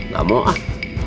gak mau ah